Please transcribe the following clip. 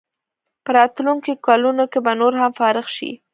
په راتلونکو کلونو کې به نور هم فارغ شي.